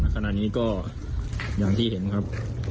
ขณะนี้ก็อย่างที่เห็นครับ